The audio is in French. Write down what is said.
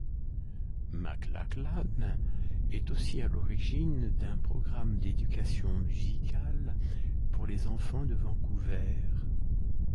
McLachlan est aussi à l'origine d'un programme d'éducation musicale pour les enfants de Vancouver.